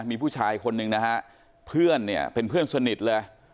มีผู้ชายคนหนึ่งนะฮะเพื่อนเนี่ยเป็นเพื่อนสนิทเลย